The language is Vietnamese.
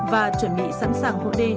và chuẩn bị sẵn sàng hộ đê